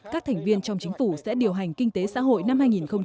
các thành viên trong chính phủ sẽ điều hành kinh tế xã hội năm hai nghìn một mươi bảy